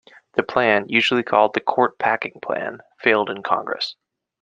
The plan, usually called the "court-packing plan", failed in Congress.